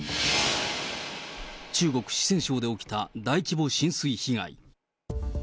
中国・四川省で起きた大規模浸水被害。